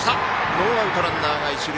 ノーアウト、ランナーが一塁。